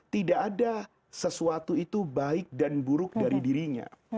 tidak ada sesuatu itu baik dan buruk dari dirinya